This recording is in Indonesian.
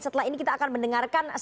setelah ini kita akan mendengarkan